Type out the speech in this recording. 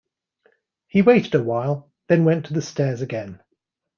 He waited a while, then went to the stairs again.